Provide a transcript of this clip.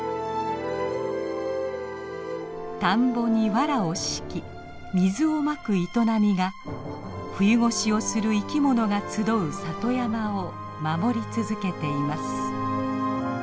田んぼにわらを敷き水をまく営みが冬越しをする生きものが集う里山を守り続けています。